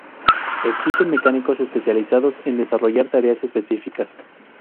Existen mecánicos especializados en desarrollar tareas específicas.